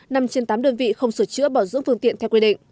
nằm trên tám đơn vị không sửa chữa bảo dưỡng phương tiện theo quy định